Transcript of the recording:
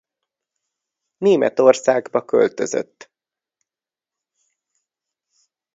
Németországba költözött.